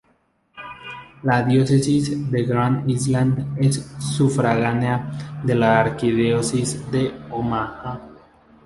La Diócesis de Grand Island es sufragánea de la Arquidiócesis de Omaha.